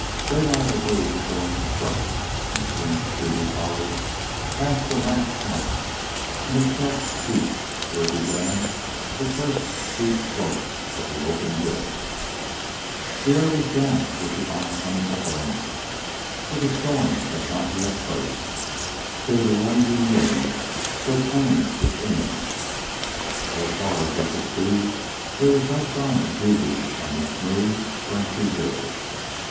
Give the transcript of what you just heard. Daylight obeyed the girl's instructions, and soon the street he followed passed the last house and itself ceased where began the first steep slopes of the open hills. The air was damp with the on coming of rain, for the storm had not yet burst, though the rising wind proclaimed its imminence. As far as he could see, there was no sign of Dede on the smooth, grassy hills.